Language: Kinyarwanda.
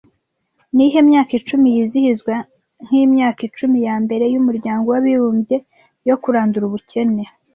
Niyihe myaka icumi yizihizwa nkimyaka icumi yambere yumuryango w’abibumbye yo kurandura ubukene